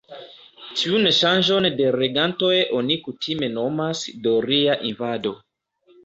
Tiun ŝanĝon de regantoj oni kutime nomas «doria invado».